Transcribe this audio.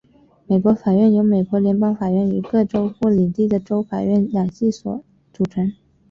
美国法院由美国联邦法院与各州或领地的州法院两系统所组成。